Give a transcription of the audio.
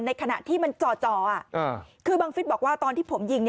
ขณะที่มันจ่อคือบังฟิศบอกว่าตอนที่ผมยิง